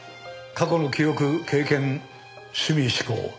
過去の記憶経験趣味嗜好。